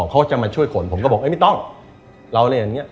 เพราะจะมาช่วยขนผมก็บอกไม่ต้อง